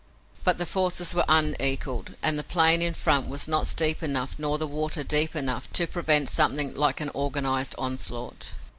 But the forces were unequal and the plane in front was not steep enough nor the water deep enough to prevent something like an organized onslaught.